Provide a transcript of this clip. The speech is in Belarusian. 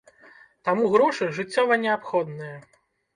Таму грошы жыццёва неабходныя.